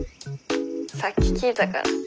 さっき聞いたから。